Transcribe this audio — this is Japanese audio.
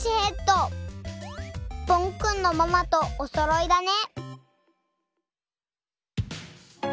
ぽんくんのママとおそろいだね。